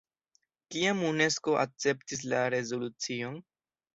Kiam Unesko akceptis la rezolucion?